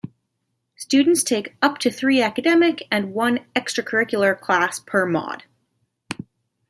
Students take up to three academic and one extracurricular class per mod.